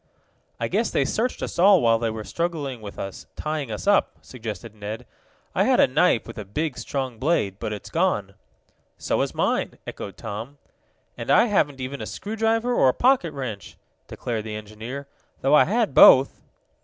"I guess they searched us all while they were struggling with us, tying us up," suggested Ned. "I had a knife with a big, strong blade, but it's gone." "So is mine," echoed Tom. "And I haven't even a screwdriver, or a pocket wrench," declared the engineer, "though I had both."